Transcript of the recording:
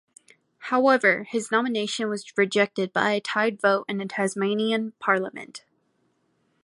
However, his nomination was rejected by a tied vote in the Tasmanian Parliament.